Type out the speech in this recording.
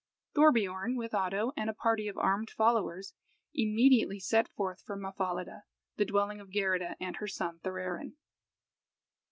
Thorbiorn, with Oddo and a party of armed followers, immediately set forth for Mahfahlida, the dwelling of Geirrida and her son Thorarin.